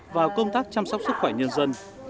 vào công tác chăm sóc sức khỏe nhân dân